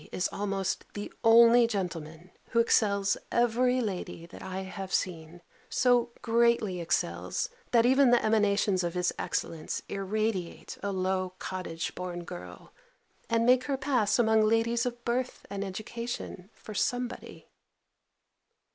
is almost the only gentleman, who excels every lady that I have seen; so greatly excels, that even the emanations of his excellence irradiate a low cottage born girl, and make her pass among ladies of birth and education for somebody.